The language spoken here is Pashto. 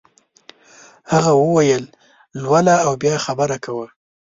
هغه وویل ویې لوله او بیا خبره کوه.